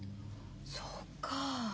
そっかあ。